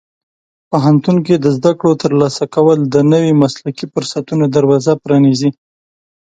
پوهنتون کې د زده کړو ترلاسه کول د نوي مسلکي فرصتونو دروازه پرانیزي.